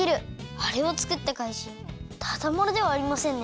あれをつくったかいじんただものではありませんね。